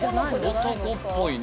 男っぽいね。